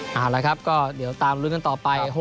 เอาละครับก็เดี๋ยวตามลุ้นกันต่อไป